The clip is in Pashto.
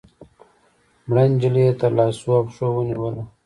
مړه نجلۍ يې تر لاسو او پښو ونيوله